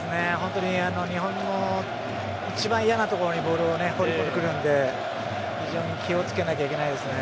日本の一番嫌なところにボールを放り込んでくるので非常に気を付けなければいけないですね。